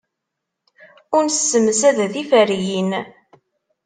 Ur nessemsad tiferyin.